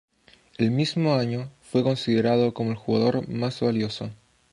El mismo año, fue considerado como el Jugador Más Valioso.